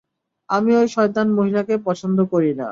আমি ওই শয়তান মহিলাকে পছন্দ করি না!